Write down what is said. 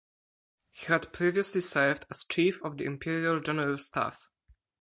He had previously served as Chief of the Imperial General Staff.